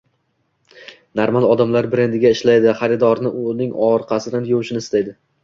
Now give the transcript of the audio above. Normal odamlar brendiga ishlaydi, xaridorlari uning orqasidan yurishini istaydi